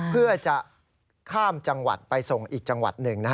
เพื่อจะข้ามจังหวัดไปส่งอีกจังหวัดหนึ่ง